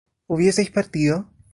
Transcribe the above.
¿hubieseis partido?